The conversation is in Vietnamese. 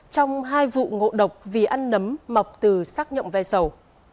trong hai vụ ngộ độc vì ăn nấm mọc từ xác nhận ve sầu